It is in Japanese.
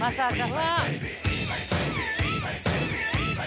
・うわ！